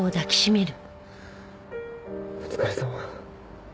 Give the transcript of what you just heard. お疲れさま。